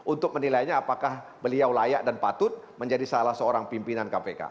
untuk menilainya apakah beliau layak dan patut menjadi salah seorang pimpinan kpk